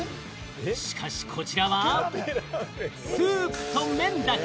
しかし、こちらはスープと麺だけ！